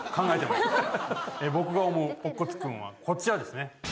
僕が思う乙骨くんはこちらですね。